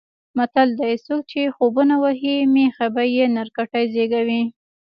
متل دی: څوک چې خوبونه وهي مېښه به یې نر کټي زېږوي.